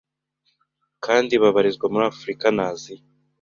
kandi babarizwa muri Afurika na Aziya.